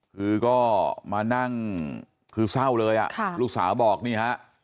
คือก็มานั่งคือเศร้าเลยอ่ะลูกสาวบอกนี่ฮะ